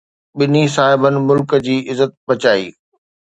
ٻنهي صاحبن ملڪ جي عزت بچائي.